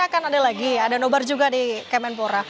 kan ada lagi ada nobar juga di kemenpora